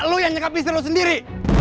lu yang nyangka pisau lu sendiri